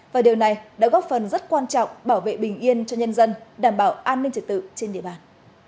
và điều này đã góp phần rất quan trọng bảo vệ bình yên cho nhân dân đảm bảo an ninh trật tự trên địa bàn